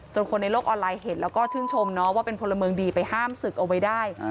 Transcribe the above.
คนในโลกออนไลน์เห็นแล้วก็ชื่นชมเนาะว่าเป็นพลเมืองดีไปห้ามศึกเอาไว้ได้